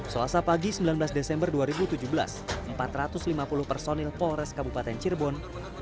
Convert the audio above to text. selasa pagi sembilan belas desember dua ribu tujuh belas empat ratus lima puluh personil polres kabupaten cirebon